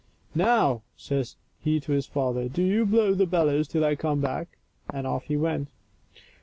Now," says he to his father, " do you blow the bellov.i till I come back," and off he went.